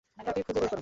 তাকে খুঁজে বের কর।